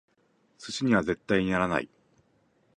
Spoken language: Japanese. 寿司には絶対にならない！